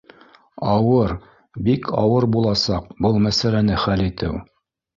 — Ауыр, бик ауыр буласаҡ был мәсьәләне хәл итеү